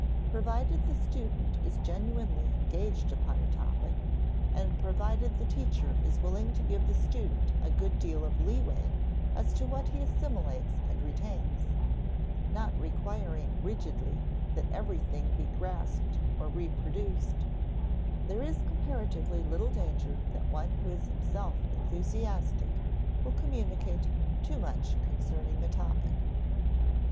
Provided the student is genuinely engaged upon a topic, and provided the teacher is willing to give the student a good deal of leeway as to what he assimilates and retains (not requiring rigidly that everything be grasped or reproduced), there is comparatively little danger that one who is himself enthusiastic will communicate too much concerning a topic.